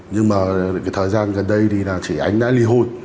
nhưng mà thời gian gần đây thì là chị ánh đã li hôn